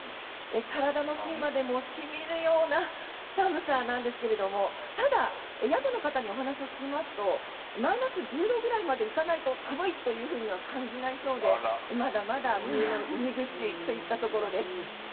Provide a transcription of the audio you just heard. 体の芯まで染みるような寒さなんですけどもただ、宿の方にお話を聞きますとマイナス１０度くらいまで行かないと寒いとは感じないそうでまだまだ入り口といったところです。